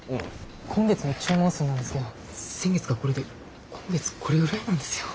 今月の注文数なんですけど先月がこれで今月これぐらいなんですよ。